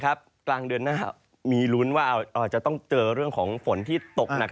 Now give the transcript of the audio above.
กลางเดือนหน้ามีลุ้นว่าจะต้องเจอเรื่องของฝนที่ตกหนัก